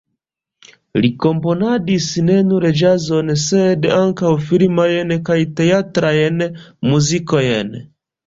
Li komponadis ne nur ĵazon, sed ankaŭ filmajn kaj teatrajn muzikojn.